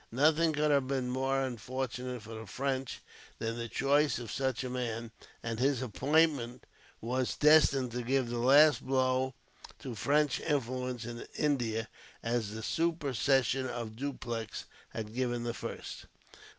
Nothing could have been more unfortunate for the French than the choice of such a man, and his appointment was destined to give the last blow to French influence in India, as the supercession of Dupleix had given the first.